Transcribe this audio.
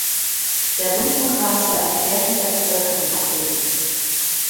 Der Rundfunkrat soll einen Querschnitt der Bevölkerung abbilden.